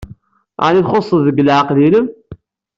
Ɛni txuṣṣed deg leɛqel-nnem?